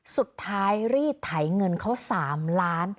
สุดท้ายรีดถ่ายเงินเขา๓ล้าน